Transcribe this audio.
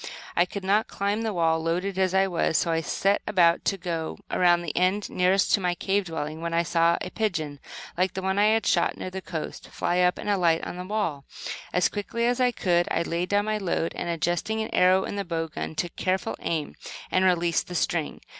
I could not climb the wall, loaded as I was, so I set about to go around the end nearest to my cave dwelling; when I saw a pigeon, like one I had shot near the coast, fly up and alight on the wall. As quickly as I could I laid down my load, and, adjusting an arrow in the bow gun, took careful aim and released the string.